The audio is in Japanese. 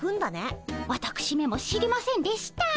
わたくしめも知りませんでした。